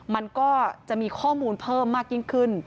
มันก็จะมีข้อมูลเพิ่มมากยิ่งขึ้น